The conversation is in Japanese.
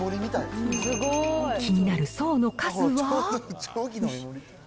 気になる層の数は？